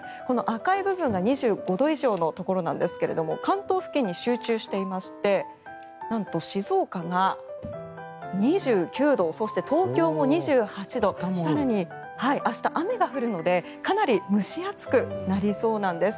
赤い部分が２５度以上のところなんですが関東付近に集中していましてなんと静岡が２９度そして、東京も２８度更に、明日は雨が降るのでかなり蒸し暑くなりそうなんです。